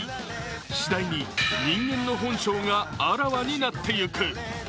しだいに人間の本性があらわになっていく。